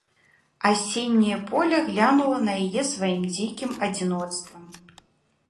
Асенняе поле глянула на яе сваім дзікім адзіноцтвам.